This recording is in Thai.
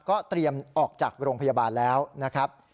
ก็เตรียมออกจากโรงพยาบาลแล้วนะครับ